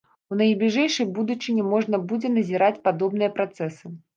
У найбліжэйшай будучыні можна будзе назіраць падобныя працэсы.